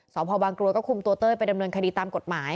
สพบางกรวยก็คุมตัวเต้ยไปดำเนินคดีตามกฎหมาย